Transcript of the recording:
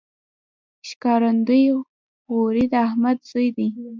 ښکارندوی غوري د احمد زوی دﺉ.